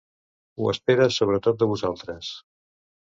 Ho espera sobretot de vosaltres.